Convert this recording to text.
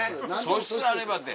素質あればって。